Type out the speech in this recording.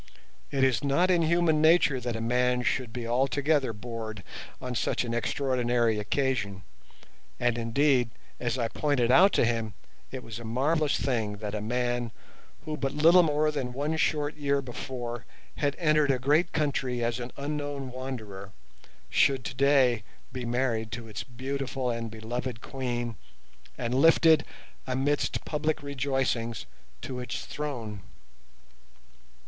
It is not in human nature that a man should be altogether bored on such an extraordinary occasion; and, indeed, as I pointed out to him, it was a marvellous thing that a man, who but little more than one short year before had entered a great country as an unknown wanderer, should today be married to its beautiful and beloved Queen, and lifted, amidst public rejoicings, to its throne.